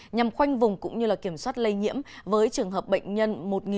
nhằm khoanh vùng cũng như kiểm soát lây nhiễm với trường hợp bệnh nhân một nghìn ba trăm bốn mươi bảy